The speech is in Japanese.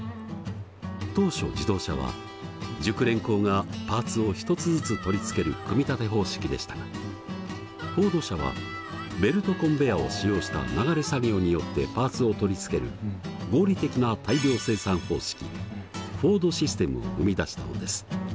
当初自動車は熟練工がパーツを一つずつ取り付ける組み立て方式でしたがフォード社はベルトコンベヤーを使用した流れ作業によってパーツを取り付ける合理的な大量生産方式フォードシステムを生み出したのです。